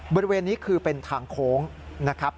บริเวณนี้คือเป็นทางโค้งนะครับ